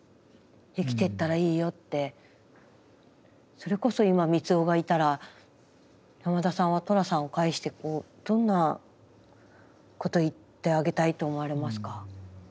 それこそ今満男がいたら山田さんは寅さんを介してこうどんなこと言ってあげたいと思われますか？